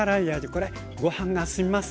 これごはんが進みます。